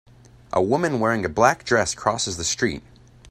A woman wearing a black dress crosses the street.